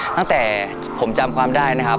ตั้งแต่ผมจำความได้นะครับ